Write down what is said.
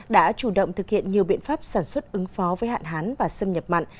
đã chủ động thực hiện nhiều biện pháp sản xuất ứng phó với hạn hán và xâm nhập mặn